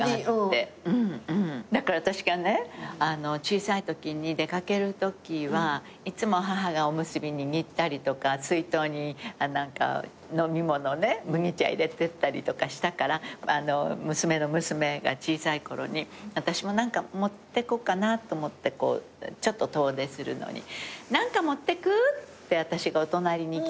だから私がね小さいときに出掛けるときはいつも母がおむすび握ったりとか水筒に飲み物ね麦茶入れてったりとかしたから娘の娘が小さい頃に私も何か持ってこうかなと思ってちょっと遠出するのに「何か持ってく？」って私がお隣に聞いたの。